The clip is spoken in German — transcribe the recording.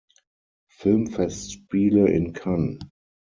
Filmfestspiele in Cannes.